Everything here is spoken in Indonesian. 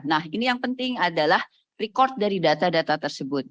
nah ini yang penting adalah record dari data data tersebut